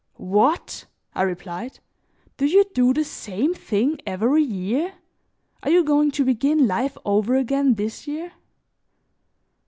"What!" I replied. "Do you do the same thing every year? Are you going to begin life over again this year?"